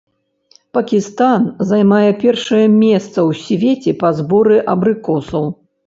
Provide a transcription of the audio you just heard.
Пакістан займае першае месца ў свеце па зборы абрыкосаў.